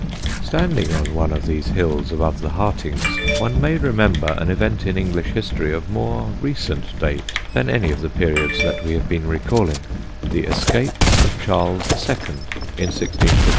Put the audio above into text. ] Standing on one of these hills above the Hartings one may remember an event in English history of more recent date than any of the periods that we have been recalling the escape of Charles II in 1651.